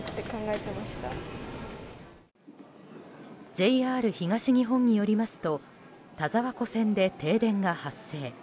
ＪＲ東日本によりますと田沢湖線で停電が発生。